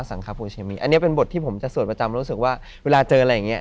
อันนี้เป็นบทที่ผมจะสวดประจำรู้สึกว่าเวลาเจออะไรอย่างนี้